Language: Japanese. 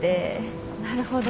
なるほど。